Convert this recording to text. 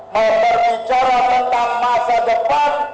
memperbicara tentang masa depan